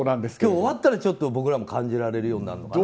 終わったら僕らも感じられるようになるのかな。